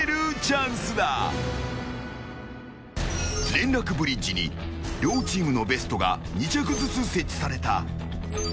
連絡ブリッジに両チームのベストが２着ずつ設置された。